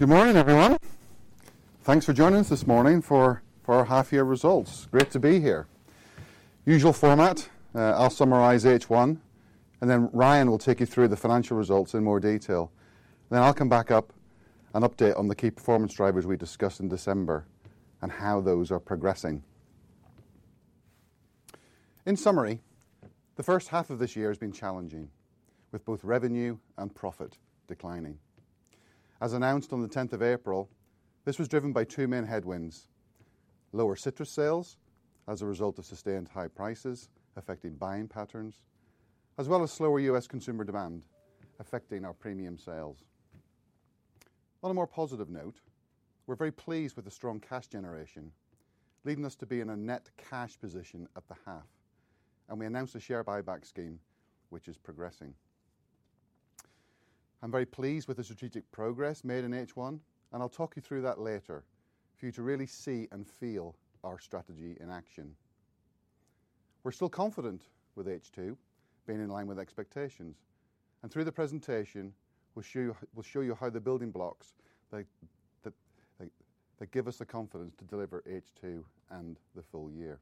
Good morning, everyone. Thanks for joining us this morning for our half-year results. Great to be here. Usual format: I'll summarize each one, and then Ryan will take you through the financial results in more detail. Then I'll come back up and update on the key performance drivers we discussed in December and how those are progressing. In summary, the first half of this year has been challenging, with both revenue and profit declining. As announced on the 10th of April, this was driven by two main headwinds: lower citrus sales as a result of sustained high prices affecting buying patterns, as well as slower U.S. consumer demand affecting our premium sales. On a more positive note, we're very pleased with the strong cash generation, leading us to be in a net cash position at the half, and we announced a share buyback scheme, which is progressing. I'm very pleased with the strategic progress made in each one, and I'll talk you through that later for you to really see and feel our strategy in action. We're still confident with H2, being in line with expectations, and through the presentation, we'll show you the building blocks that give us the confidence to deliver H2 and the full year.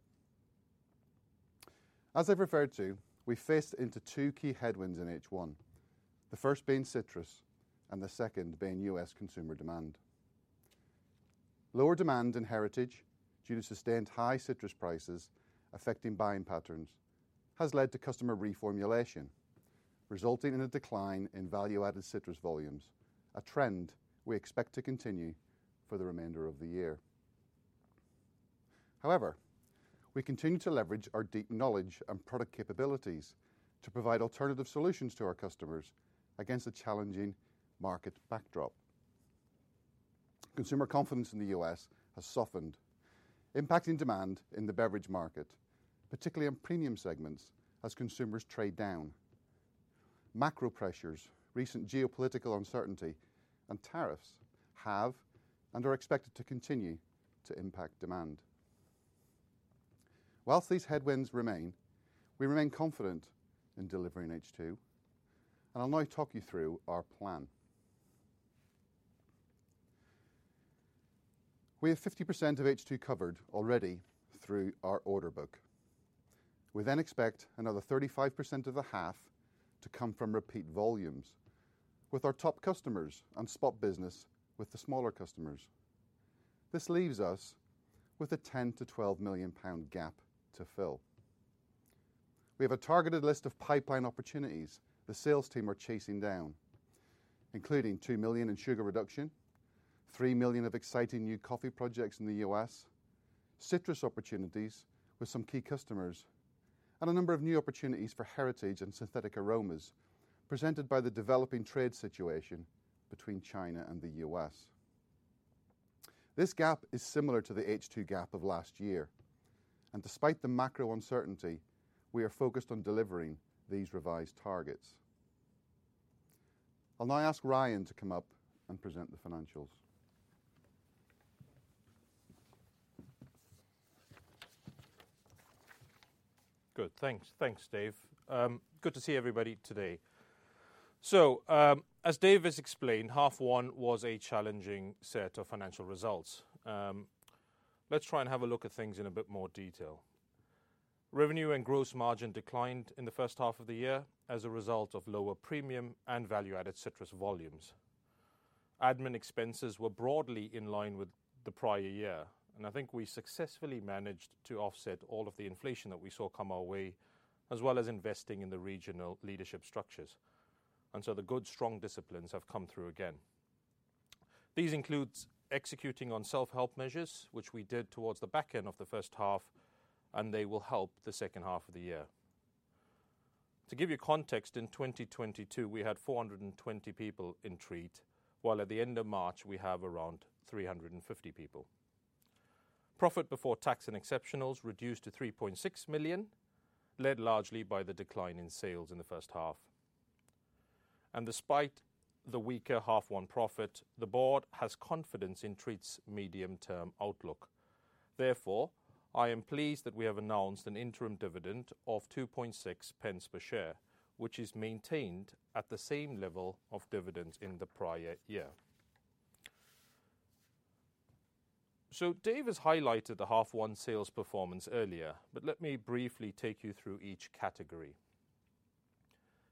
As I've referred to, we faced into two key headwinds in H1, the first being citrus and the second being U.S. consumer demand. Lower demand in heritage due to sustained high citrus prices affecting buying patterns has led to customer reformulation, resulting in a decline in value-added citrus volumes, a trend we expect to continue for the remainder of the year. However, we continue to leverage our deep knowledge and product capabilities to provide alternative solutions to our customers against a challenging market backdrop. Consumer confidence in the U.S. has softened, impacting demand in the beverage market, particularly in premium segments, as consumers trade down. Macro pressures, recent geopolitical uncertainty, and tariffs have and are expected to continue to impact demand. Whilst these headwinds remain, we remain confident in delivering H2, and I'll now talk you through our plan. We have 50% of H2 covered already through our order book. We then expect another 35% of the half to come from repeat volumes, with our top customers and spot business with the smaller customers. This leaves us with a 10-12 million pound gap to fill. We have a targeted list of pipeline opportunities the sales team are chasing down, including 2 million in sugar reduction, 3 million of exciting new coffee projects in the U.S., citrus opportunities with some key customers, and a number of new opportunities for heritage and synthetic aromas presented by the developing trade situation between China and the U.S. This gap is similar to the H2 gap of last year, and despite the macro uncertainty, we are focused on delivering these revised targets. I'll now ask Ryan to come up and present the financials. Good. Thanks. Thanks, David. Good to see everybody today. As David has explained, half one was a challenging set of financial results. Let's try and have a look at things in a bit more detail. Revenue and gross margin declined in the first half of the year as a result of lower premium and value-added citrus volumes. Admin expenses were broadly in line with the prior year, and I think we successfully managed to offset all of the inflation that we saw come our way, as well as investing in the regional leadership structures. The good, strong disciplines have come through again. These include executing on self-help measures, which we did towards the back end of the first half, and they will help the second half of the year. To give you context, in 2022, we had 420 people in Treatt, while at the end of March, we have around 350 people. Profit before tax and exceptionals reduced to 3.6 million, led largely by the decline in sales in the first half. Despite the weaker half one profit, the Board has confidence in Treatt's medium-term outlook. Therefore, I am pleased that we have announced an interim dividend of 0.026 per share, which is maintained at the same level of dividends in the prior year. David has highlighted the half one sales performance earlier, but let me briefly take you through each category.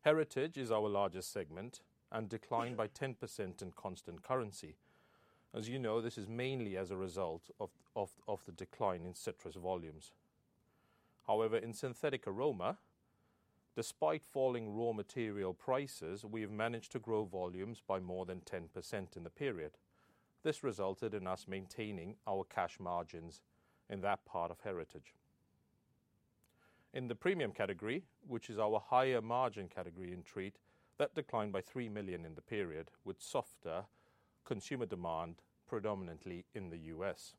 Heritage is our largest segment and declined by 10% in constant currency. As you know, this is mainly as a result of the decline in citrus volumes. However, in synthetic aroma, despite falling raw material prices, we have managed to grow volumes by more than 10% in the period. This resulted in us maintaining our cash margins in that part of heritage. In the premium category, which is our higher margin category in Treatt, that declined by 3 million in the period with softer consumer demand, predominantly in the U.S.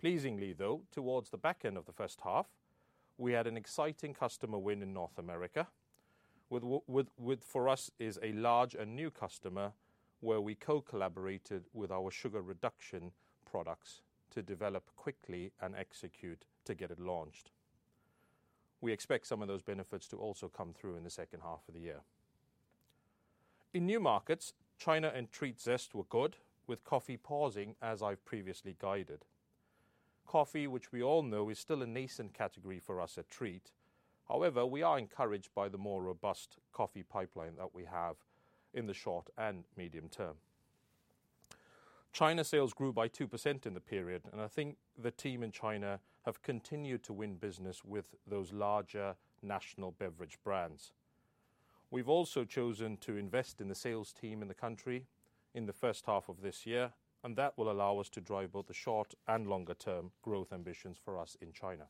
Pleasingly, though, towards the back end of the first half, we had an exciting customer win in North America, which for us is a large and new customer where we co-collaborated with our sugar reduction products to develop quickly and execute to get it launched. We expect some of those benefits to also come through in the second half of the year. In new markets, China and Treatt Zest were good, with coffee pausing, as I've previously guided. Coffee, which we all know, is still a nascent category for us at Treatt. However, we are encouraged by the more robust coffee pipeline that we have in the short and medium term. China sales grew by 2% in the period, and I think the team in China have continued to win business with those larger national beverage brands. We have also chosen to invest in the sales team in the country in the first half of this year, and that will allow us to drive both the short and longer-term growth ambitions for us in China.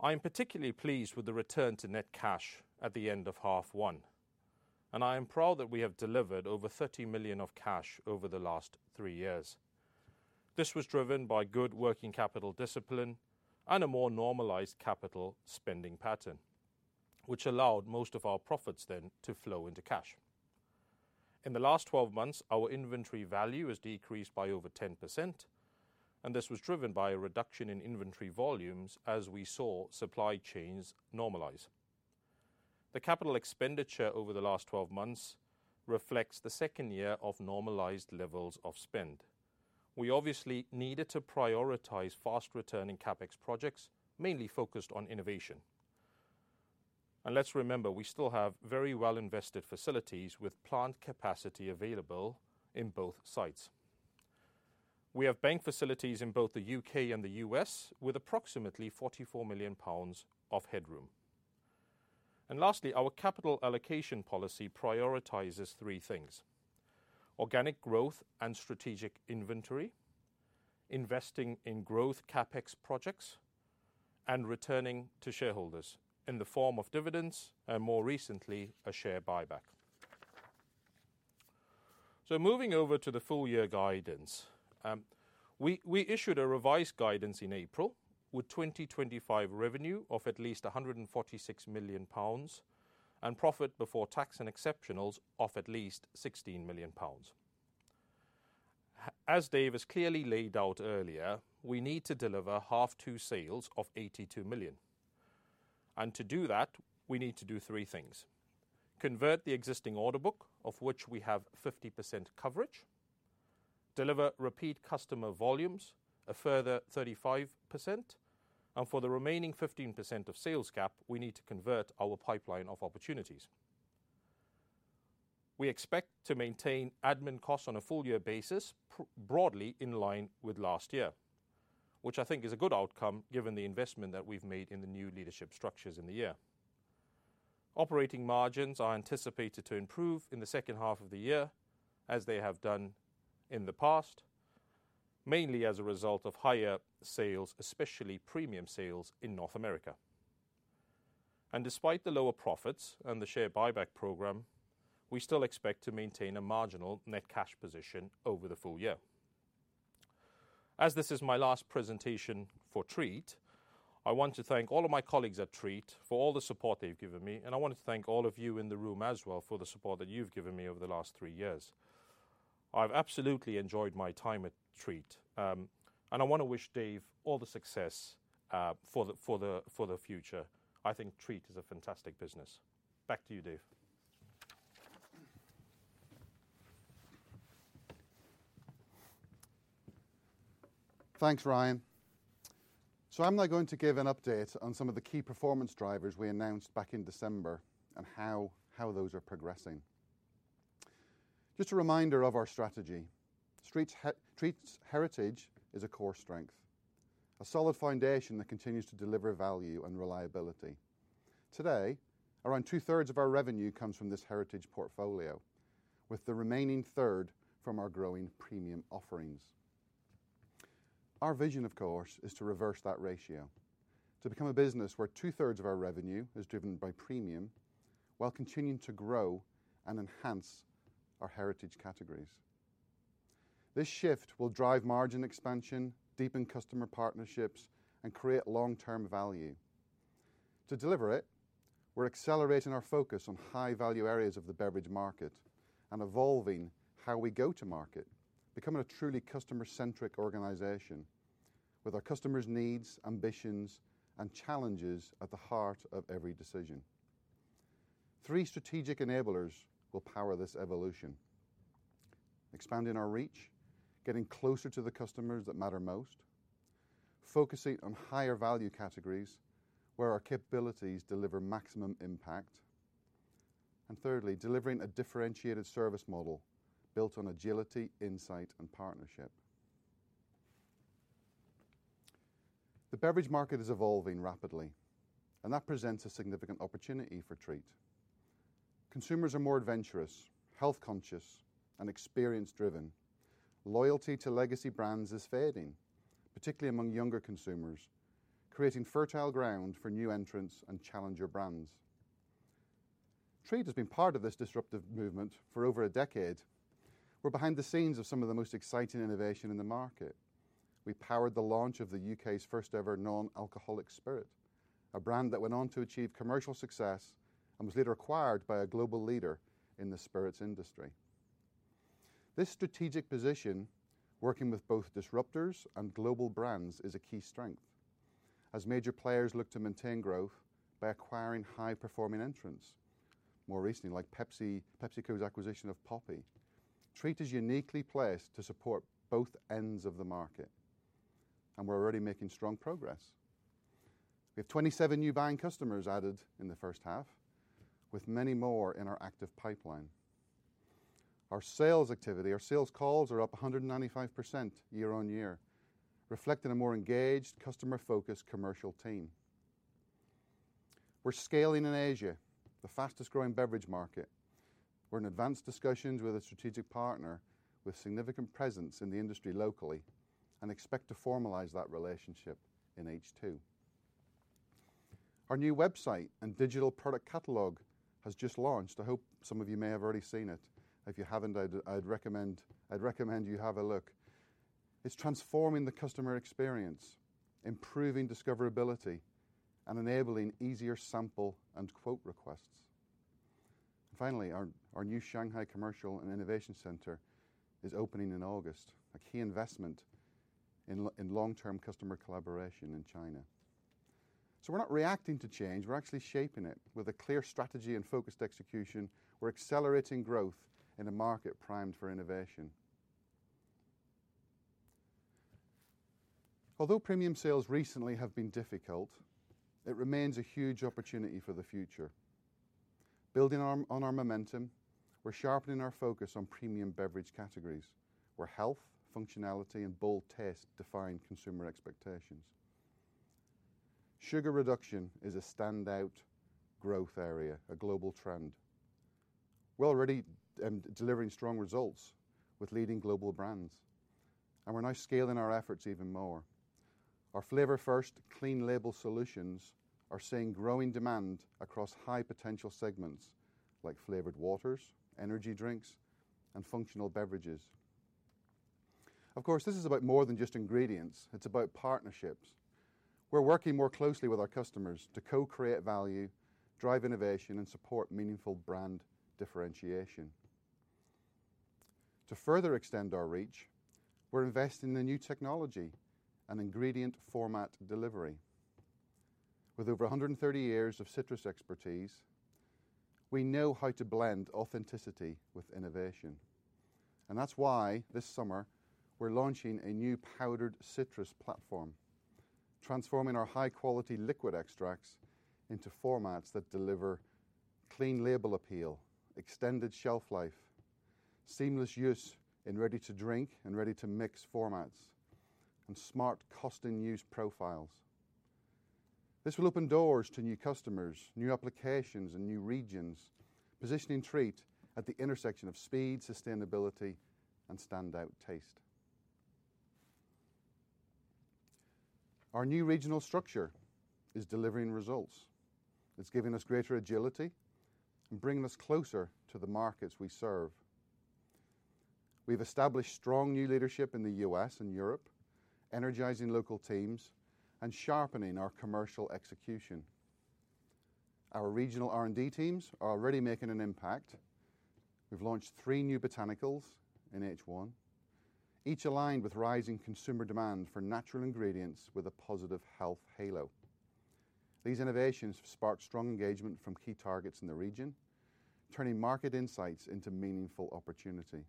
I am particularly pleased with the return to net cash at the end of half one, and I am proud that we have delivered over 30 million of cash over the last three years. This was driven by good working capital discipline and a more normalized capital spending pattern, which allowed most of our profits then to flow into cash. In the last 12 months, our inventory value has decreased by over 10%, and this was driven by a reduction in inventory volumes as we saw supply chains normalize. The capital expenditure over the last 12 months reflects the second year of normalized levels of spend. We obviously needed to prioritize fast-returning CapEx projects, mainly focused on innovation. Let's remember, we still have very well-invested facilities with plant capacity available in both sites. We have bank facilities in both the U.K. and the U.S., with approximately 44 million pounds of headroom. Our capital allocation policy prioritizes three things: organic growth and strategic inventory, investing in growth CapEx projects, and returning to shareholders in the form of dividends and, more recently, a share buyback. Moving over to the full-year guidance, we issued a revised guidance in April with 2025 revenue of at least 146 million pounds and profit before tax and exceptionals of at least 16 million pounds. As David has clearly laid out earlier, we need to deliver half two sales of 82 million. To do that, we need to do three things: convert the existing order book, of which we have 50% coverage, deliver repeat customer volumes a further 35%, and for the remaining 15% of sales cap, we need to convert our pipeline of opportunities. We expect to maintain admin costs on a full-year basis, broadly in line with last year, which I think is a good outcome given the investment that we've made in the new leadership structures in the year. Operating margins are anticipated to improve in the second half of the year, as they have done in the past, mainly as a result of higher sales, especially premium sales in North America. Despite the lower profits and the share buyback program, we still expect to maintain a marginal net cash position over the full year. As this is my last presentation for Treatt, I want to thank all of my colleagues at Treatt for all the support they've given me, and I want to thank all of you in the room as well for the support that you've given me over the last three years. I've absolutely enjoyed my time at Treatt, and I want to wish David all the success for the future. I think Treatt is a fantastic business. Back to you, David Thanks, Ryan. I am now going to give an update on some of the key performance drivers we announced back in December and how those are progressing. Just a reminder of our strategy: Treatt's heritage is a core strength, a solid foundation that continues to deliver value and reliability. Today, around two-thirds of our revenue comes from this heritage portfolio, with the remaining third from our growing premium offerings. Our vision, of course, is to reverse that ratio, to become a business where two-thirds of our revenue is driven by premium while continuing to grow and enhance our heritage categories. This shift will drive margin expansion, deepen customer partnerships, and create long-term value. To deliver it, we're accelerating our focus on high-value areas of the beverage market and evolving how we go to market, becoming a truly customer-centric organization with our customers' needs, ambitions, and challenges at the heart of every decision. Three strategic enablers will power this evolution: expanding our reach, getting closer to the customers that matter most, focusing on higher value categories where our capabilities deliver maximum impact, and thirdly, delivering a differentiated service model built on agility, insight, and partnership. The beverage market is evolving rapidly, and that presents a significant opportunity for Treatt. Consumers are more adventurous, health-conscious, and experience-driven. Loyalty to legacy brands is fading, particularly among younger consumers, creating fertile ground for new entrants and challenger brands. Treatt has been part of this disruptive movement for over a decade. We're behind the scenes of some of the most exciting innovation in the market. We powered the launch of the U.K.'s first-ever non-alcoholic spirit, a brand that went on to achieve commercial success and was later acquired by a global leader in the spirits industry. This strategic position, working with both disruptors and global brands, is a key strength as major players look to maintain growth by acquiring high-performing entrants, more recently, like PepsiCo's acquisition of Poppi. Treatt is uniquely placed to support both ends of the market, and we're already making strong progress. We have 27 new buying customers added in the first half, with many more in our active pipeline. Our sales activity, our sales calls, are up 195% year-on-year, reflecting a more engaged, customer-focused commercial team. We're scaling in Asia, the fastest-growing beverage market. We're in advanced discussions with a strategic partner with significant presence in the industry locally and expect to formalize that relationship in H2. Our new website and digital product catalog has just launched. I hope some of you may have already seen it. If you have not, I would recommend you have a look. It is transforming the customer experience, improving discoverability, and enabling easier sample and quote requests. Finally, our new Shanghai Commercial and Innovation Center is opening in August, a key investment in long-term customer collaboration in China. We are not reacting to change. We are actually shaping it with a clear strategy and focused execution. We are accelerating growth in a market primed for innovation. Although premium sales recently have been difficult, it remains a huge opportunity for the future. Building on our momentum, we are sharpening our focus on premium beverage categories where health, functionality, and bold taste define consumer expectations. Sugar reduction is a standout growth area, a global trend. We're already delivering strong results with leading global brands, and we're now scaling our efforts even more. Our flavor-first, clean-label solutions are seeing growing demand across high-potential segments like flavored waters, energy drinks, and functional beverages. Of course, this is about more than just ingredients. It's about partnerships. We're working more closely with our customers to co-create value, drive innovation, and support meaningful brand differentiation. To further extend our reach, we're investing in a new technology, an ingredient-format delivery. With over 130 years of citrus expertise, we know how to blend authenticity with innovation. That's why this summer we're launching a new powdered citrus platform, transforming our high-quality liquid extracts into formats that deliver clean-label appeal, extended shelf life, seamless use in ready-to-drink and ready-to-mix formats, and smart cost-and-use profiles. This will open doors to new customers, new applications, and new regions, positioning Treatt at the intersection of speed, sustainability, and standout taste. Our new regional structure is delivering results. It is giving us greater agility and bringing us closer to the markets we serve. We have established strong new leadership in the U.S. and Europe, energizing local teams and sharpening our commercial execution. Our regional R&D teams are already making an impact. We have launched three new botanicals in H1, each aligned with rising consumer demand for natural ingredients with a positive health halo. These innovations spark strong engagement from key targets in the region, turning market insights into meaningful opportunity.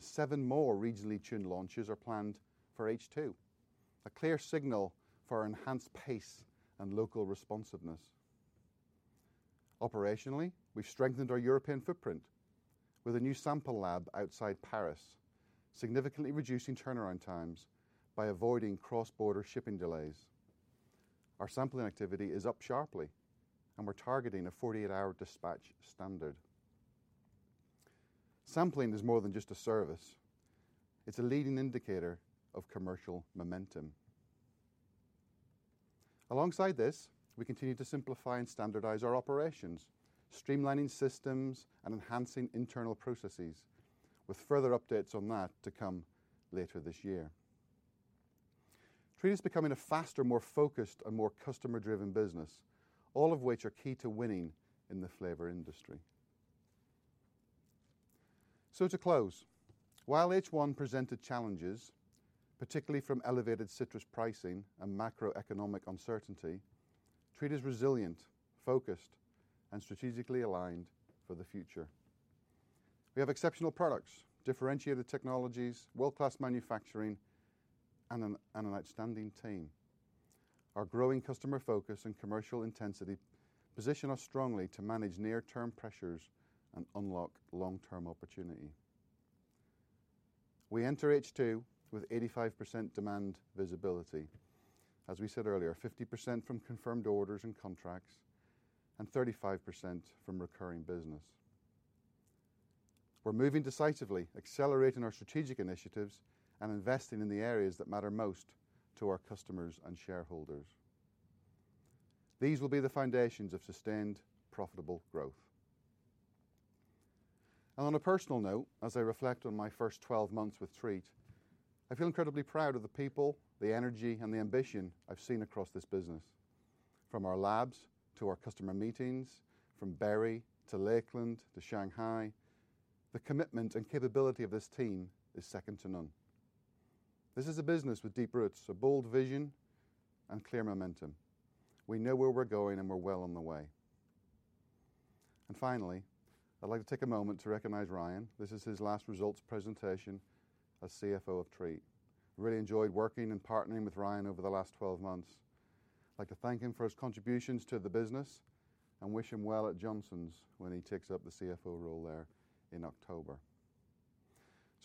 Seven more regionally-tuned launches are planned for H2, a clear signal for our enhanced pace and local responsiveness. Operationally, we have strengthened our European footprint with a new sample lab outside Paris, significantly reducing turnaround times by avoiding cross-border shipping delays. Our sampling activity is up sharply, and we're targeting a 48-hour dispatch standard. Sampling is more than just a service. It's a leading indicator of commercial momentum. Alongside this, we continue to simplify and standardize our operations, streamlining systems and enhancing internal processes, with further updates on that to come later this year. Treatt is becoming a faster, more focused, and more customer-driven business, all of which are key to winning in the flavor industry. To close, while H1 presented challenges, particularly from elevated citrus pricing and macroeconomic uncertainty, Treatt is resilient, focused, and strategically aligned for the future. We have exceptional products, differentiated technologies, world-class manufacturing, and an outstanding team. Our growing customer focus and commercial intensity position us strongly to manage near-term pressures and unlock long-term opportunity. We enter H2 with 85% demand visibility. As we said earlier, 50% from confirmed orders and contracts and 35% from recurring business. We are moving decisively, accelerating our strategic initiatives and investing in the areas that matter most to our customers and shareholders. These will be the foundations of sustained, profitable growth. On a personal note, as I reflect on my first 12 months with Treatt, I feel incredibly proud of the people, the energy, and the ambition I have seen across this business. From our labs to our customer meetings, from Barry to Lakeland to Shanghai, the commitment and capability of this team is second to none. This is a business with deep roots, a bold vision, and clear momentum. We know where we are going, and we are well on the way. Finally, I would like to take a moment to recognize Ryan. This is his last results presentation as CFO of Treatt. I really enjoyed working and partnering with Ryan over the last 12 months. I'd like to thank him for his contributions to the business and wish him well at Johnson's when he takes up the CFO role there in October.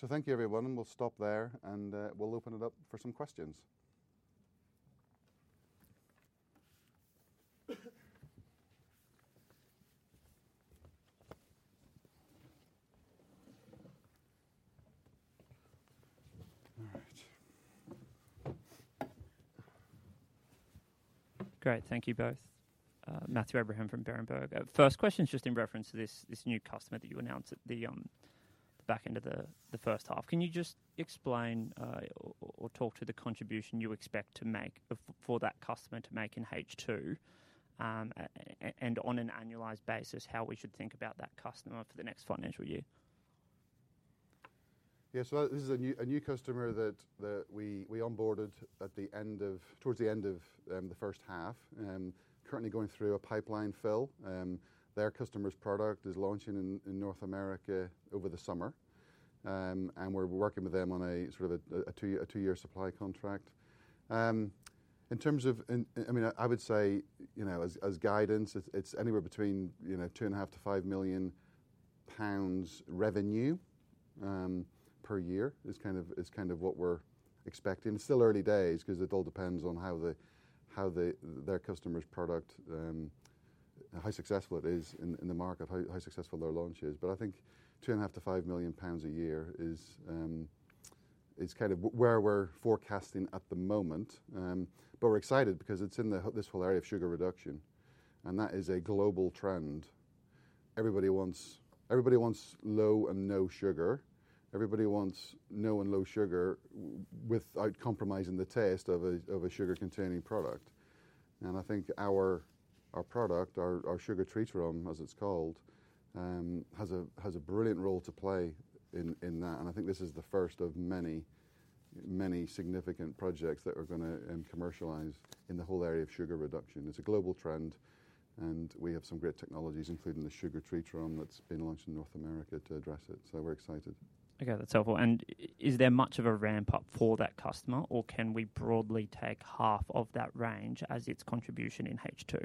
Thank you, everyone, and we'll stop there, and we'll open it up for some questions. All right. Great. Thank you both. Matthew Abraham from Berenberg. First question is just in reference to this new customer that you announced at the back end of the first half. Can you just explain or talk to the contribution you expect that customer to make in H2 and on an annualized basis how we should think about that customer for the next financial year? Yeah. This is a new customer that we onboarded towards the end of the first half, currently going through a pipeline fill. Their customer's product is launching in North America over the summer, and we're working with them on a sort of a two-year supply contract. In terms of, I mean, I would say as guidance, it's anywhere between 2.5 million-5 million pounds revenue per year. It's kind of what we're expecting. It's still early days because it all depends on how their customer's product, how successful it is in the market, how successful their launch is. I think 2.5 million-5 million pounds a year is kind of where we're forecasting at the moment. We're excited because it's in this whole area of sugar reduction, and that is a global trend. Everybody wants low and no sugar. Everybody wants no and low sugar without compromising the taste of a sugar-containing product. I think our product, our SugarTreat room, as it's called, has a brilliant role to play in that. I think this is the first of many, many significant projects that we're going to commercialize in the whole area of sugar reduction. It's a global trend, and we have some great technologies, including the SugarTreat room that's been launched in North America to address it. We're excited. Okay. That's helpful. Is there much of a ramp-up for that customer, or can we broadly take half of that range as its contribution in H2?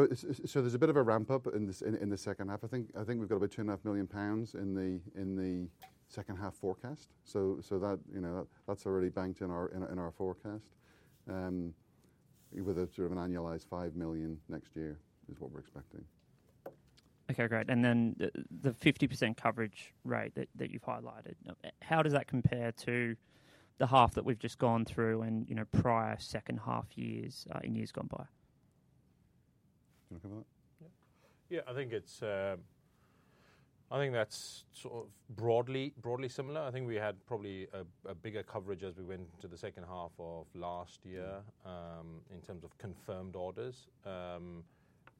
There's a bit of a ramp-up in the second half. I think we've got about 2.5 million pounds in the second half forecast. That's already banked in our forecast with a sort of an annualized 5 million next year is what we're expecting. Okay. Great. The 50% coverage, right, that you've highlighted, how does that compare to the half that we've just gone through in prior second half years and years gone by? Do you want to come on that? Yeah. Yeah. I think that's sort of broadly similar. I think we had probably a bigger coverage as we went into the second half of last year in terms of confirmed orders.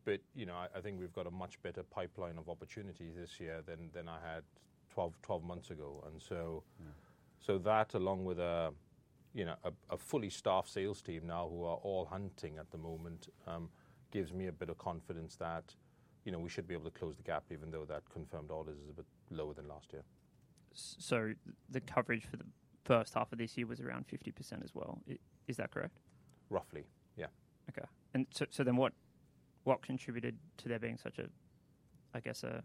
I think we've got a much better pipeline of opportunity this year than I had 12 months ago. That along with a fully staffed sales team now who are all hunting at the moment gives me a bit of confidence that we should be able to close the gap, even though that confirmed order is a bit lower than last year. The coverage for the first half of this year was around 50% as well. Is that correct? Roughly. Yeah. Okay. What contributed to there being such a, I guess, a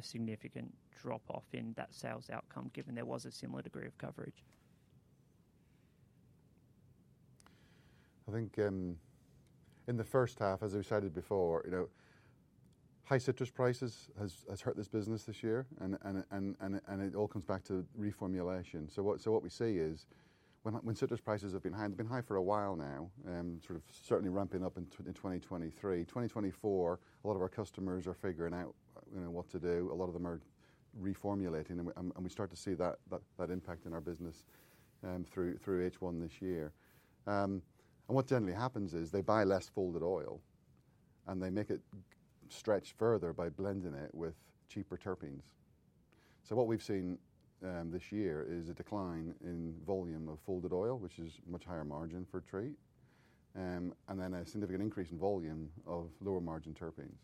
significant drop-off in that sales outcome given there was a similar degree of coverage? I think in the first half, as we've said it before, high citrus prices has hurt this business this year, and it all comes back to reformulation. What we see is when citrus prices have been high, they've been high for a while now, sort of certainly ramping up in 2023. In 2024, a lot of our customers are figuring out what to do. A lot of them are reformulating, and we start to see that impact in our business through H1 this year. What generally happens is they buy less folded oil, and they make it stretch further by blending it with cheaper terpenes. What we've seen this year is a decline in volume of folded oil, which is much higher margin for Treatt, and then a significant increase in volume of lower margin terpenes.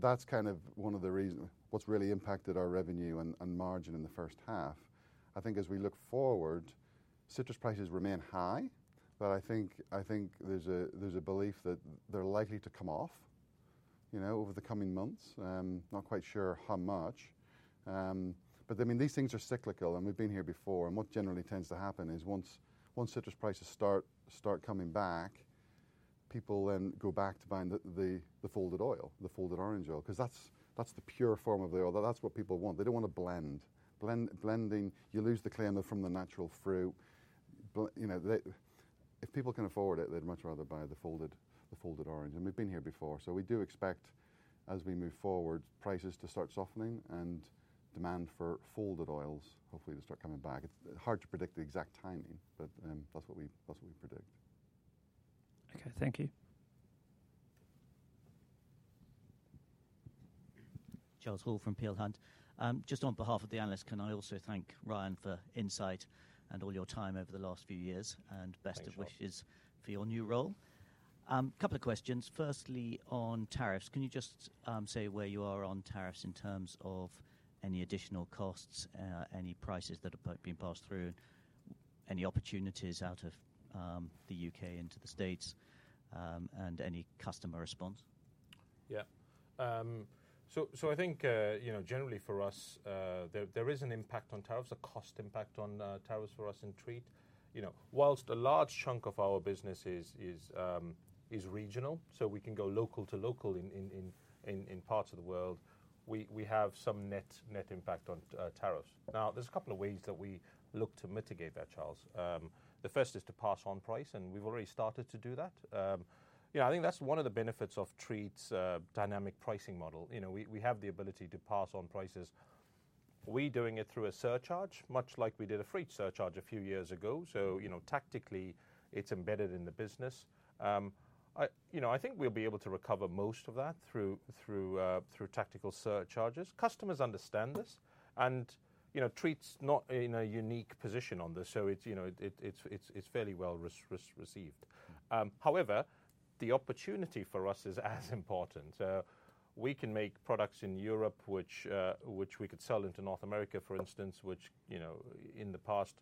That's kind of one of the reasons what's really impacted our revenue and margin in the first half. I think as we look forward, citrus prices remain high, but I think there's a belief that they're likely to come off over the coming months. Not quite sure how much. I mean, these things are cyclical, and we've been here before. What generally tends to happen is once citrus prices start coming back, people then go back to buying the folded oil, the folded orange oil, because that's the pure form of the oil. That's what people want. They don't want to blend. Blending, you lose the cleaner from the natural fruit. If people can afford it, they'd much rather buy the folded orange. We've been here before. We do expect as we move forward, prices to start softening and demand for folded oils hopefully to start coming back. It's hard to predict the exact timing, but that's what we predict. Okay. Thank you. Just on behalf of the analyst, can I also thank Ryan for insight and all your time over the last few years and best of wishes for your new role? A couple of questions. Firstly, on tariffs, can you just say where you are on tariffs in terms of any additional costs, any prices that have been passed through, any opportunities out of the U.K. into the States, and any customer response? Yeah. I think generally for us, there is an impact on tariffs, a cost impact on tariffs for us in Treatt. Whilst a large chunk of our business is regional, so we can go local to local in parts of the world, we have some net impact on tariffs. Now, there's a couple of ways that we look to mitigate that, Charles. The first is to pass on price, and we've already started to do that. I think that's one of the benefits of Treatt's dynamic pricing model. We have the ability to pass on prices. We're doing it through a surcharge, much like we did a freight surcharge a few years ago. Tactically, it's embedded in the business. I think we'll be able to recover most of that through tactical surcharges. Customers understand this, and Treatt's not in a unique position on this, so it's fairly well received. However, the opportunity for us is as important. We can make products in Europe, which we could sell into North America, for instance, which in the past,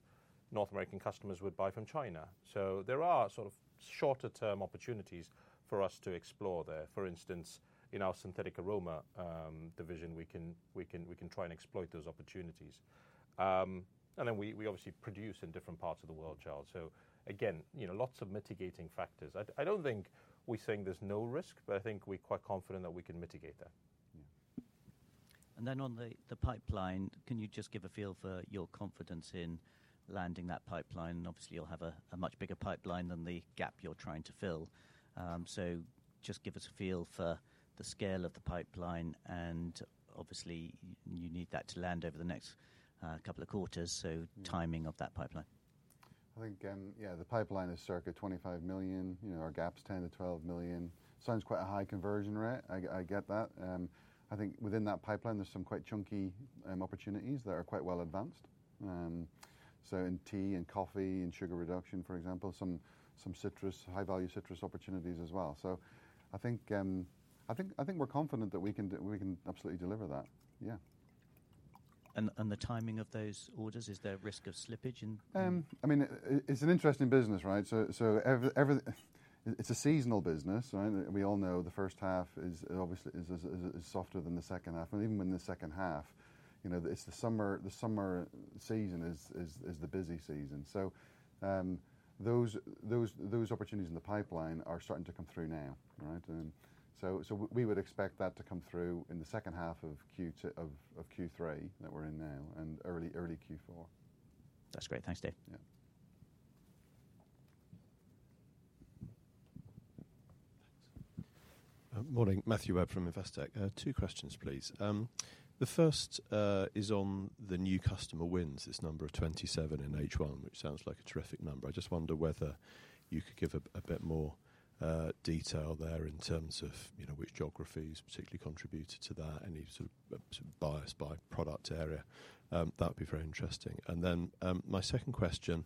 North American customers would buy from China. There are sort of shorter-term opportunities for us to explore there. For instance, in our synthetic aroma division, we can try and exploit those opportunities. We obviously produce in different parts of the world, Charles. Again, lots of mitigating factors. I don't think we're saying there's no risk, but I think we're quite confident that we can mitigate that. On the pipeline, can you just give a feel for your confidence in landing that pipeline? Obviously, you'll have a much bigger pipeline than the gap you're trying to fill. Just give us a feel for the scale of the pipeline, and obviously, you need that to land over the next couple of quarters. Timing of that pipeline. I think, yeah, the pipeline is circa 25 million. Our gap's 10-12 million. Sounds quite a high conversion rate. I get that. I think within that pipeline, there's some quite chunky opportunities that are quite well advanced. In tea and coffee and sugar reduction, for example, some high-value citrus opportunities as well. I think we're confident that we can absolutely deliver that. Yeah. The timing of those orders, is there a risk of slippage in? I mean, it's an interesting business, right? It's a seasonal business, right? We all know the first half is obviously softer than the second half. Even in the second half, the summer season is the busy season. Those opportunities in the pipeline are starting to come through now, right? We would expect that to come through in the second half of Q3 that we're in now and early Q4. That's great. Thanks, David Yeah. Morning. Matthew Webb from Investec. Two questions, please. The first is on the new customer wins, this number of 27 in H1, which sounds like a terrific number. I just wonder whether you could give a bit more detail there in terms of which geographies particularly contributed to that, any sort of bias by product area. That would be very interesting. My second question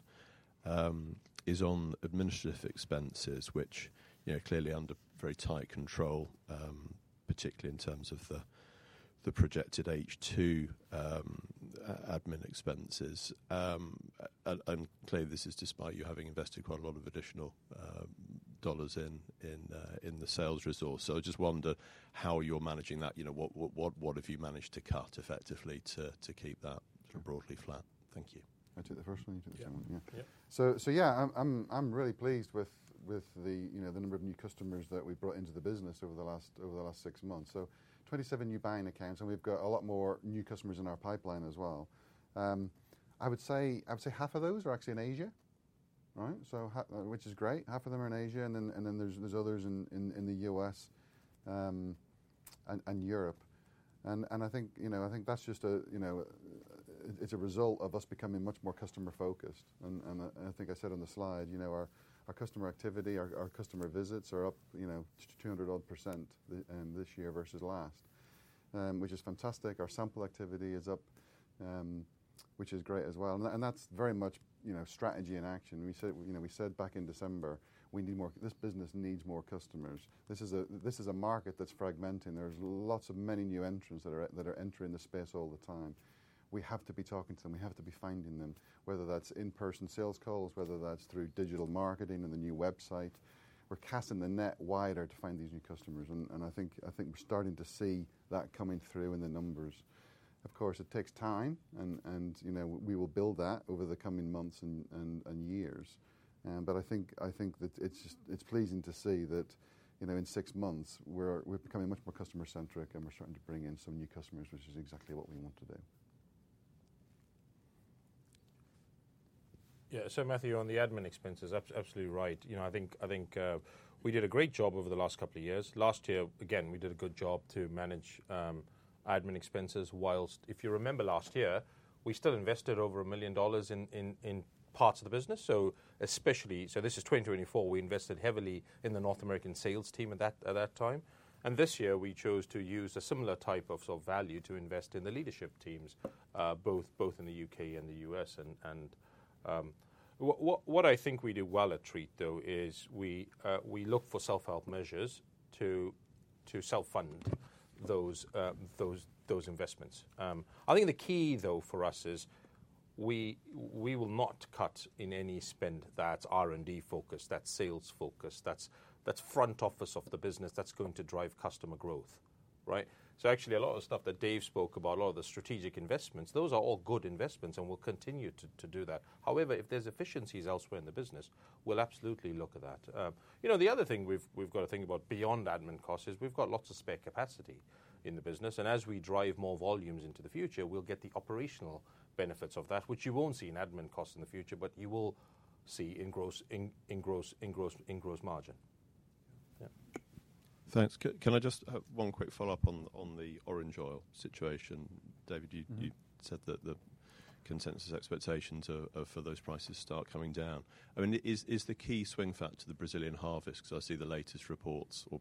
is on administrative expenses, which clearly are under very tight control, particularly in terms of the projected H2 admin expenses. Clearly, this is despite you having invested quite a lot of additional dollars in the sales resource. I just wonder how you're managing that. What have you managed to cut effectively to keep that sort of broadly flat? Thank you. I'll take the first one. You take the second one. Yeah. Yeah, I'm really pleased with the number of new customers that we brought into the business over the last six months. Twenty-seven new buying accounts, and we've got a lot more new customers in our pipeline as well. I would say half of those are actually in Asia, right? Which is great. Half of them are in Asia, and then there's others in the US and Europe. I think that's just a result of us becoming much more customer-focused. I think I said on the slide, our customer activity, our customer visits are up 200-odd % this year versus last, which is fantastic. Our sample activity is up, which is great as well. That's very much strategy in action. We said back in December, we need more; this business needs more customers. This is a market that's fragmenting. There's lots of many new entrants that are entering the space all the time. We have to be talking to them. We have to be finding them, whether that's in-person sales calls, whether that's through digital marketing and the new website. We're casting the net wider to find these new customers, and I think we're starting to see that coming through in the numbers. Of course, it takes time, and we will build that over the coming months and years. I think it's pleasing to see that in six months, we're becoming much more customer-centric, and we're starting to bring in some new customers, which is exactly what we want to do. Yeah. Matthew, on the admin expenses, absolutely right. I think we did a great job over the last couple of years. Last year, again, we did a good job to manage admin expenses whilst, if you remember last year, we still invested over $1 million in parts of the business. Especially, this is 2024, we invested heavily in the North American sales team at that time. This year, we chose to use a similar type of value to invest in the leadership teams, both in the U.K. and the U.S. What I think we do well at Treatt, though, is we look for self-help measures to self-fund those investments. I think the key, though, for us is we will not cut in any spend that's R&D-focused, that's sales-focused, that's front office of the business that's going to drive customer growth, right? Actually, a lot of the stuff that David spoke about, a lot of the strategic investments, those are all good investments, and we'll continue to do that. However, if there's efficiencies elsewhere in the business, we'll absolutely look at that. The other thing we've got to think about beyond admin costs is we've got lots of spare capacity in the business. As we drive more volumes into the future, we'll get the operational benefits of that, which you won't see in admin costs in the future, but you will see in gross margin. Yeah. Thanks. Can I just have one quick follow-up on the orange oil situation? David, you said that the consensus expectations for those prices start coming down. I mean, is the key swing factor the Brazilian harvest? Because I see the latest reports or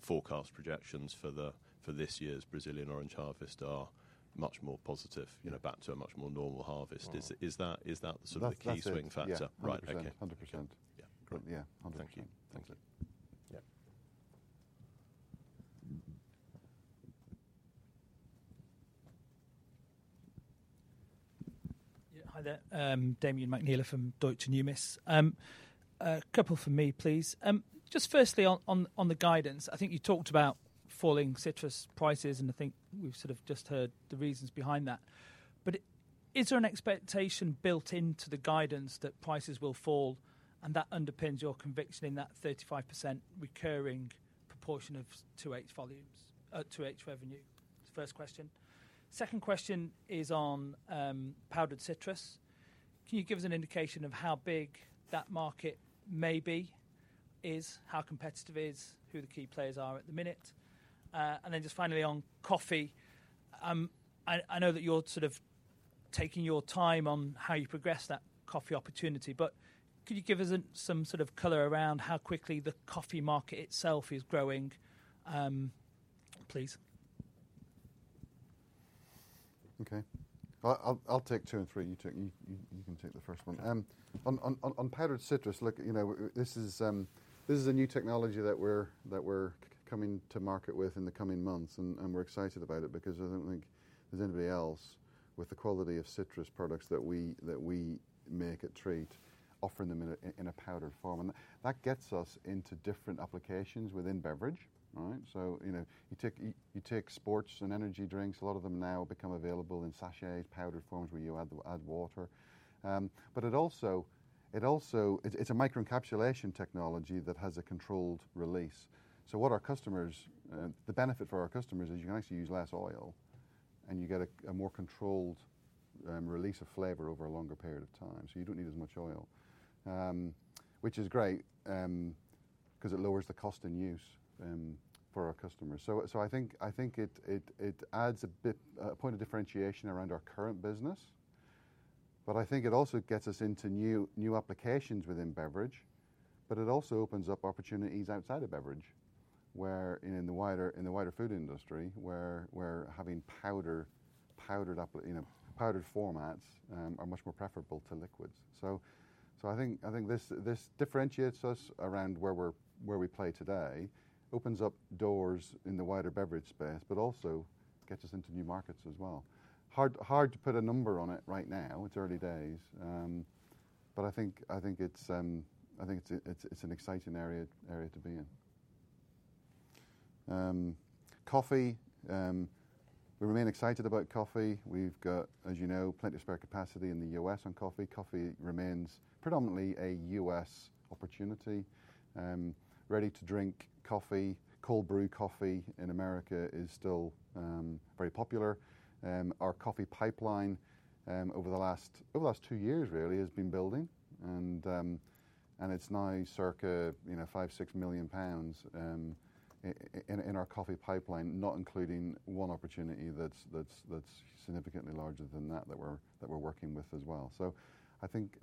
forecast projections for this year's Brazilian orange harvest are much more positive, back to a much more normal harvest. Is that sort of the key swing factor? Right. Okay. 100%. Yeah. Great. Yeah. 100%. Thank you. Thanks, David. Yeah. Hi, there. Damian McNeill from Deutsche Numis. A couple for me, please. Just firstly, on the guidance, I think you talked about falling citrus prices, and I think we've sort of just heard the reasons behind that. Is there an expectation built into the guidance that prices will fall and that underpins your conviction in that 35% recurring proportion of 2H revenue? That's the first question. Second question is on powdered citrus. Can you give us an indication of how big that market may be, how competitive it is, who the key players are at the minute? Just finally, on coffee, I know that you're sort of taking your time on how you progress that coffee opportunity, but could you give us some sort of color around how quickly the coffee market itself is growing, please? Okay. I'll take two and three. You can take the first one. On powdered citrus, this is a new technology that we're coming to market with in the coming months, and we're excited about it because I don't think there's anybody else with the quality of citrus products that we make at Treatt offering them in a powdered form. That gets us into different applications within beverage, right? You take sports and energy drinks. A lot of them now become available in sachets, powdered forms where you add water. It is a microencapsulation technology that has a controlled release. The benefit for our customers is you can actually use less oil, and you get a more controlled release of flavor over a longer period of time. You don't need as much oil, which is great because it lowers the cost in use for our customers. I think it adds a point of differentiation around our current business, but I think it also gets us into new applications within beverage, but it also opens up opportunities outside of beverage in the wider food industry where having powdered formats are much more preferable to liquids. I think this differentiates us around where we play today, opens up doors in the wider beverage space, but also gets us into new markets as well. Hard to put a number on it right now. It's early days, but I think it's an exciting area to be in. Coffee. We remain excited about coffee. We've got, as you know, plenty of spare capacity in the US on coffee. Coffee remains predominantly a US opportunity. Ready-to-drink coffee, cold brew coffee in America is still very popular. Our coffee pipeline over the last two years, really, has been building, and it's now circa 5 million-6 million pounds in our coffee pipeline, not including one opportunity that's significantly larger than that that we're working with as well. I think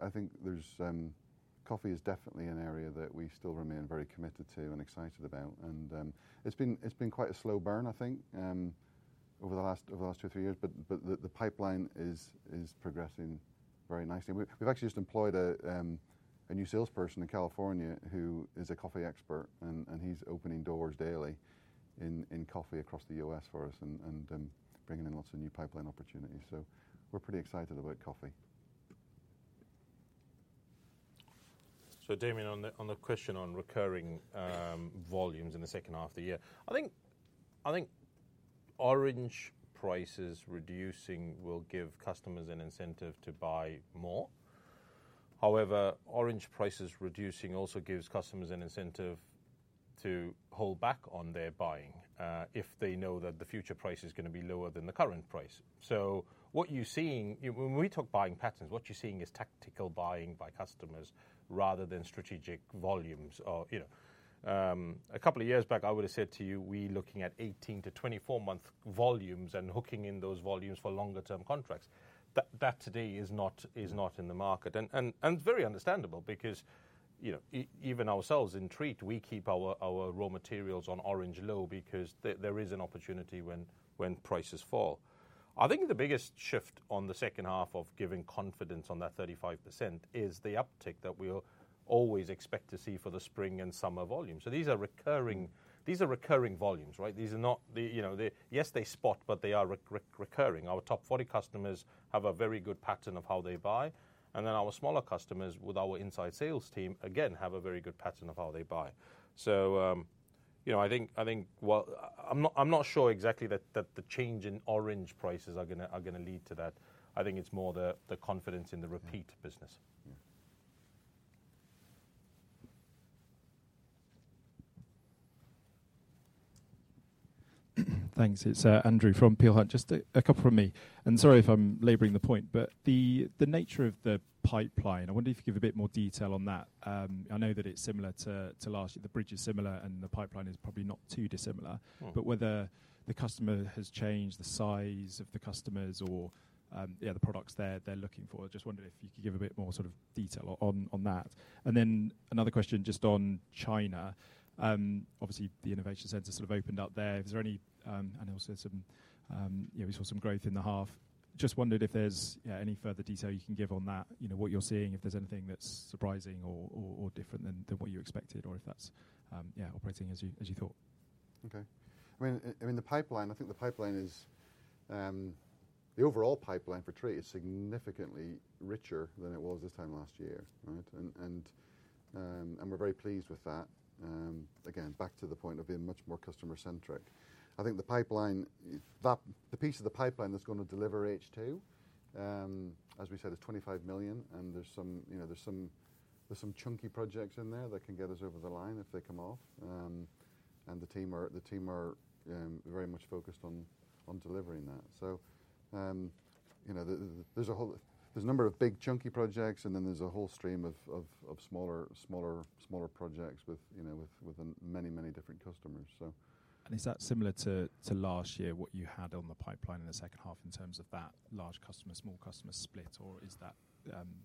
coffee is definitely an area that we still remain very committed to and excited about. It's been quite a slow burn, I think, over the last two or three years, but the pipeline is progressing very nicely. We've actually just employed a new salesperson in California who is a coffee expert, and he's opening doors daily in coffee across the US for us and bringing in lots of new pipeline opportunities. We're pretty excited about coffee. Damian, on the question on recurring volumes in the second half of the year, I think orange prices reducing will give customers an incentive to buy more. However, orange prices reducing also gives customers an incentive to hold back on their buying if they know that the future price is going to be lower than the current price. What you are seeing when we talk buying patterns, what you are seeing is tactical buying by customers rather than strategic volumes. A couple of years back, I would have said to you, "We are looking at 18-24 month volumes and hooking in those volumes for longer-term contracts." That today is not in the market. It is very understandable because even ourselves in Treatt, we keep our raw materials on orange low because there is an opportunity when prices fall. I think the biggest shift on the second half of giving confidence on that 35% is the uptick that we always expect to see for the spring and summer volumes. These are recurring volumes, right? Yes, they spot, but they are recurring. Our top 40 customers have a very good pattern of how they buy, and then our smaller customers with our inside sales team, again, have a very good pattern of how they buy. I think I'm not sure exactly that the change in orange prices are going to lead to that. I think it's more the confidence in the repeat business. Thanks. It's Andrew from Peel Hunt. Just a couple from me. Sorry if I'm laboring the point, but the nature of the pipeline, I wonder if you could give a bit more detail on that. I know that it's similar to last year. The bridge is similar, and the pipeline is probably not too dissimilar. Whether the customer has changed, the size of the customers or the products they're looking for, just wondering if you could give a bit more sort of detail on that. Another question just on China. Obviously, the innovation center sort of opened up there. Is there any—and also we saw some growth in the half. Just wondered if there's any further detail you can give on that, what you're seeing, if there's anything that's surprising or different than what you expected, or if that's operating as you thought. Okay. I mean, the pipeline, I think the pipeline is the overall pipeline for Treatt is significantly richer than it was this time last year, right? And we're very pleased with that. Again, back to the point of being much more customer-centric. I think the piece of the pipeline that's going to deliver H2, as we said, is 25 million, and there's some chunky projects in there that can get us over the line if they come off. The team are very much focused on delivering that. There are a number of big chunky projects, and then there's a whole stream of smaller projects with many, many different customers. Is that similar to last year, what you had on the pipeline in the second half in terms of that large customer, small customer split, or is that?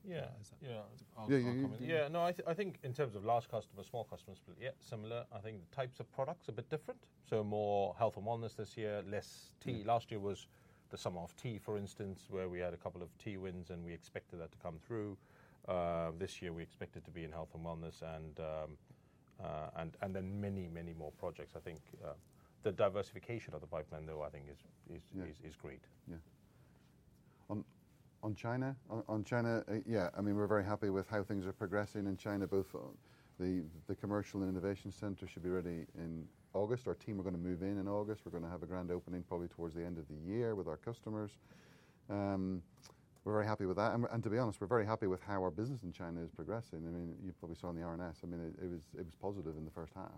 Yeah. Yeah. No, I think in terms of large customer, small customer split, yeah, similar. I think the types of products are a bit different. So, more health and wellness this year, less tea. Last year was the summer of tea, for instance, where we had a couple of tea wins, and we expected that to come through. This year, we expect it to be in health and wellness, and then many, many more projects. I think the diversification of the pipeline, though, I think is great. Yeah. On China, yeah. I mean, we're very happy with how things are progressing in China, both the commercial and innovation center should be ready in August. Our team are going to move in in August. We're going to have a grand opening probably towards the end of the year with our customers. We're very happy with that. To be honest, we're very happy with how our business in China is progressing. I mean, you probably saw in the R&S, I mean, it was positive in the first half.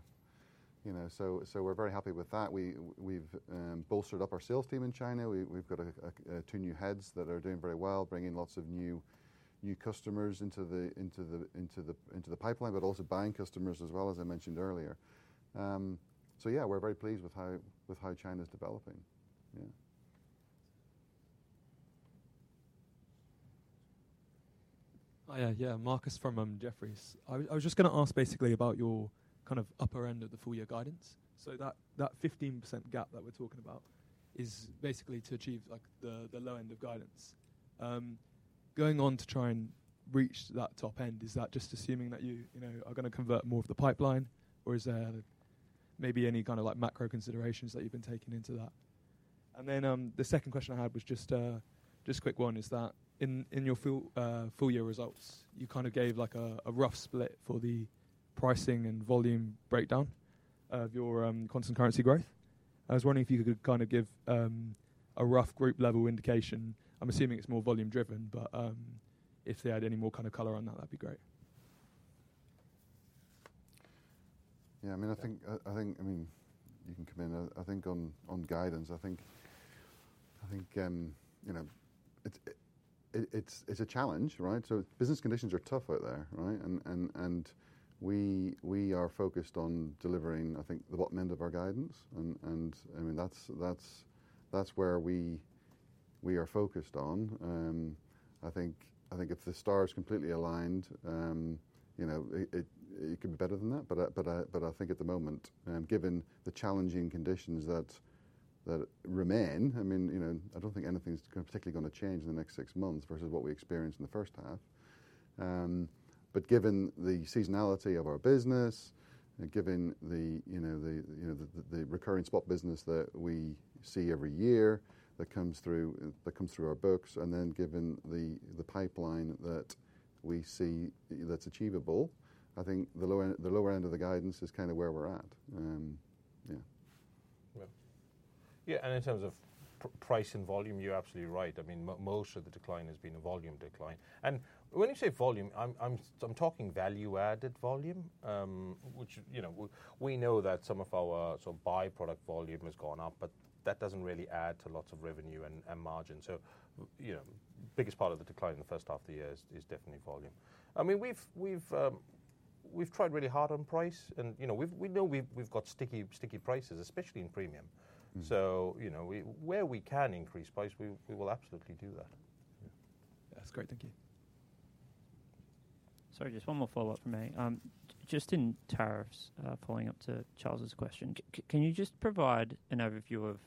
We're very happy with that. We've bolstered up our sales team in China. We've got two new heads that are doing very well, bringing lots of new customers into the pipeline, but also buying customers as well, as I mentioned earlier. Yeah, we're very pleased with how China is developing. Yeah. Hiya. Yeah, Marcus from Jefferies. I was just going to ask basically about your kind of upper end of the full-year guidance. That 15% gap that we're talking about is basically to achieve the low end of guidance. Going on to try and reach that top end, is that just assuming that you are going to convert more of the pipeline, or is there maybe any kind of macro considerations that you've been taking into that? The second question I had was just a quick one. In your full-year results, you kind of gave a rough split for the pricing and volume breakdown of your constant currency growth. I was wondering if you could kind of give a rough group-level indication. I'm assuming it's more volume-driven, but if they had any more kind of color on that, that'd be great. Yeah. I mean, I think you can come in. I think on guidance, I think it's a challenge, right? Business conditions are tough out there, right? And we are focused on delivering, I think, the bottom end of our guidance. I mean, that's where we are focused on. I think if the stars completely aligned, it could be better than that. I think at the moment, given the challenging conditions that remain, I mean, I don't think anything's particularly going to change in the next six months versus what we experienced in the first half. Given the seasonality of our business, given the recurring spot business that we see every year that comes through our books, and then given the pipeline that we see that's achievable, I think the lower end of the guidance is kind of where we're at. Yeah. Yeah. In terms of price and volume, you're absolutely right. I mean, most of the decline has been a volume decline. When you say volume, I'm talking value-added volume, which we know that some of our sort of byproduct volume has gone up, but that does not really add to lots of revenue and margin. The biggest part of the decline in the first half of the year is definitely volume. I mean, we've tried really hard on price, and we know we've got sticky prices, especially in premium. Where we can increase price, we will absolutely do that. Yeah. That's great. Thank you. Sorry, just one more follow-up from me. Just on tariffs, following up to Charles's question, can you just provide an overview of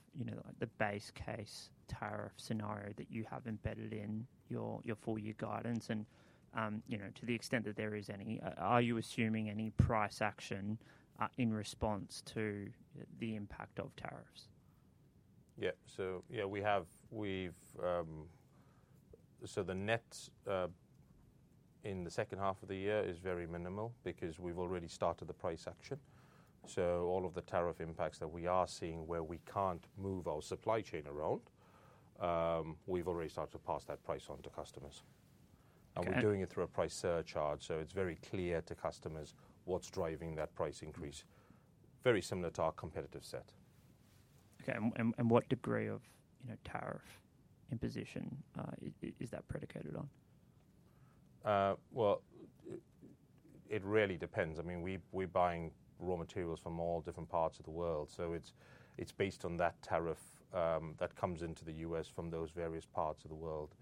the base case tariff scenario that you have embedded in your full-year guidance? To the extent that there is any, are you assuming any price action in response to the impact of tariffs? Yeah. Yeah, we have, so the net in the second half of the year is very minimal because we've already started the price action. All of the tariff impacts that we are seeing where we can't move our supply chain around, we've already started to pass that price on to customers. We're doing it through a price surcharge. It's very clear to customers what's driving that price increase, very similar to our competitive set. Okay. What degree of tariff imposition is that predicated on? It really depends. I mean, we're buying raw materials from all different parts of the world. It is based on that tariff that comes into the US from those various parts of the world.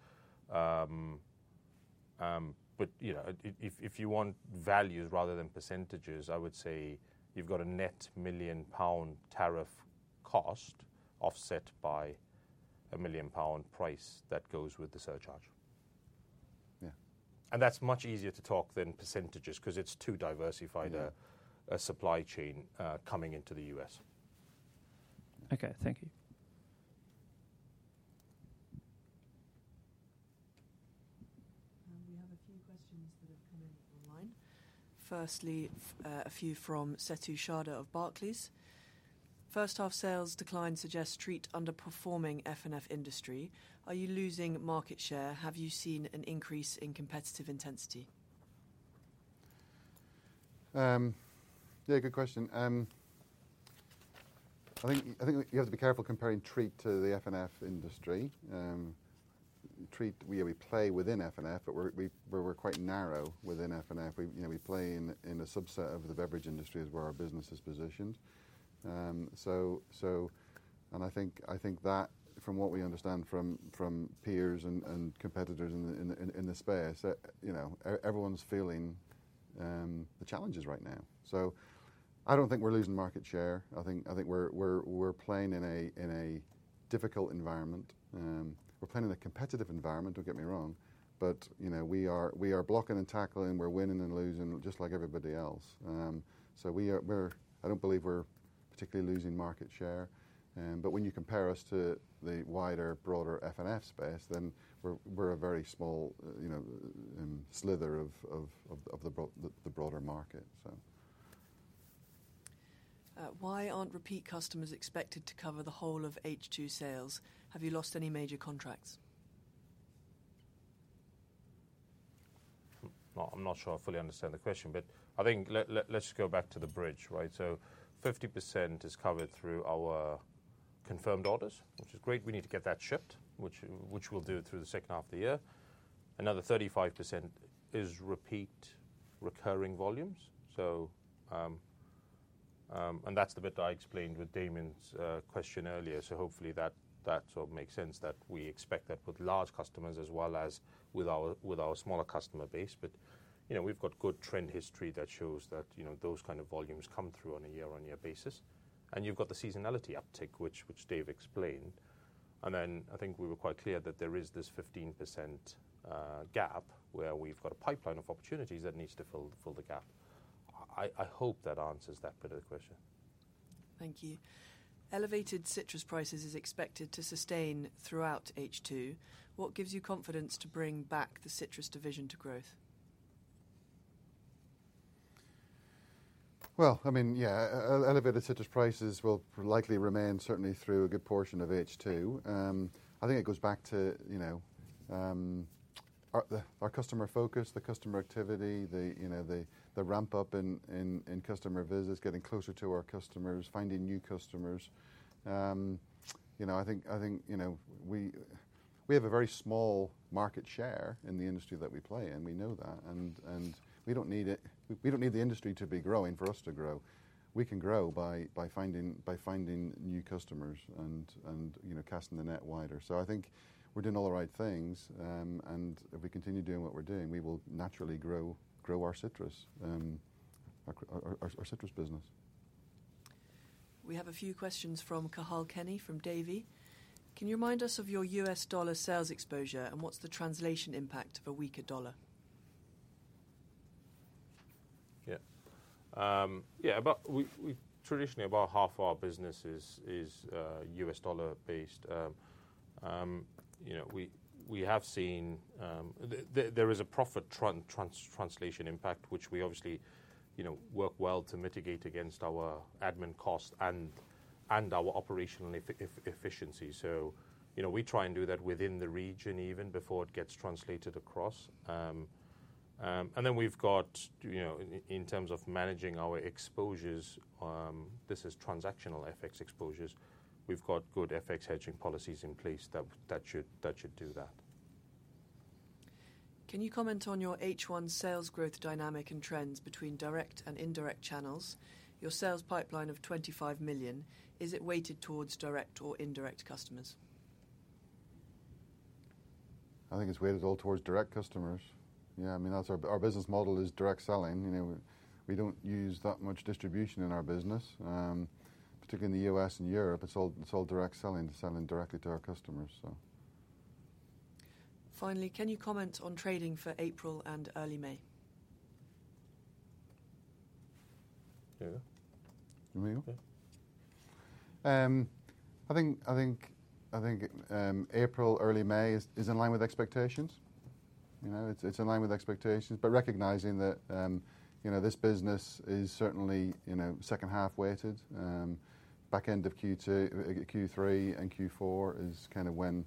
If you want values rather than percentages, I would say you've got a net 1 million pound tariff cost offset by a 1 million pound price that goes with the surcharge. That is much easier to talk than percentages because it is too diversified a supply chain coming into the US. Okay. Thank you. We have a few questions that have come in online. Firstly, a few from Sethu Sharda of Barclays. First half sales decline suggests Treatt underperforming F&F industry. Are you losing market share? Have you seen an increase in competitive intensity? Yeah, good question. I think you have to be careful comparing Treatt to the F&F industry. Treatt, yeah, we play within F&F, but we're quite narrow within F&F. We play in a subset of the beverage industry as where our business is positioned. I think that, from what we understand from peers and competitors in the space, everyone's feeling the challenges right now. I don't think we're losing market share. I think we're playing in a difficult environment. We're playing in a competitive environment, don't get me wrong. We are blocking and tackling. We're winning and losing just like everybody else. I don't believe we're particularly losing market share. When you compare us to the wider, broader F&F space, then we're a very small slither of the broader market. Why aren't repeat customers expected to cover the whole of H2 sales? Have you lost any major contracts? I'm not sure I fully understand the question, but I think let's just go back to the bridge, right? 50% is covered through our confirmed orders, which is great. We need to get that shipped, which we'll do through the second half of the year. Another 35% is repeat, recurring volumes. That's the bit that I explained with Damian's question earlier. Hopefully, that sort of makes sense that we expect that with large customers as well as with our smaller customer base. We've got good trend history that shows that those kind of volumes come through on a year-on-year basis. You've got the seasonality uptick, which Dave explained. I think we were quite clear that there is this 15% gap where we've got a pipeline of opportunities that needs to fill the gap. I hope that answers that bit of the question. Thank you. Elevated citrus prices is expected to sustain throughout H2. What gives you confidence to bring back the citrus division to growth? I mean, yeah, elevated citrus prices will likely remain certainly through a good portion of H2. I think it goes back to our customer focus, the customer activity, the ramp-up in customer visits, getting closer to our customers, finding new customers. I think we have a very small market share in the industry that we play in. We know that. We do not need the industry to be growing for us to grow. We can grow by finding new customers and casting the net wider. I think we are doing all the right things. If we continue doing what we are doing, we will naturally grow our citrus business. We have a few questions from Kahal Kenny from Davy. Can you remind us of your US dollar sales exposure and what's the translation impact of a weaker dollar? Yeah. Yeah. Traditionally, about half our business is US dollar-based. We have seen there is a profit translation impact, which we obviously work well to mitigate against our admin costs and our operational efficiency. We try and do that within the region even before it gets translated across. In terms of managing our exposures, this is transactional FX exposures. We have good FX hedging policies in place that should do that. Can you comment on your H1 sales growth dynamic and trends between direct and indirect channels? Your sales pipeline of 25 million, is it weighted towards direct or indirect customers? I think it's weighted all towards direct customers. Yeah. I mean, our business model is direct selling. We don't use that much distribution in our business, particularly in the US and Europe. It's all direct selling to selling directly to our customers, so. Finally, can you comment on trading for April and early May? Yeah. I think April, early May is in line with expectations. It is in line with expectations, but recognizing that this business is certainly second half weighted. Back end of Q3 and Q4 is kind of when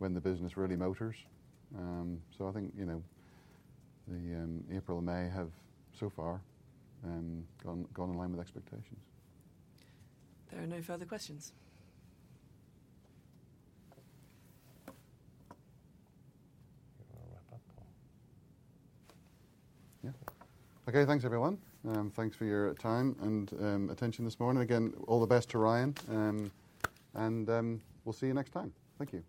the business really motors. I think the April and May have so far gone in line with expectations. There are no further questions. You want to wrap up, or? Yeah. Okay. Thanks, everyone. Thanks for your time and attention this morning. Again, all the best to Ryan. We'll see you next time. Thank you.